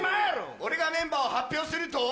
俺がメンバーを発表すると！